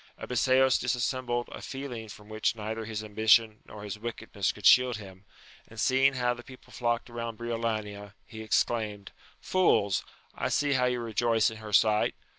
Abiseos dis sembled a feeling from which neither his ambition nor his wickedness could shield him, and seeing how the people flocked round Briolania, he exclaimed, Fools, I see how you rejoice in her sight!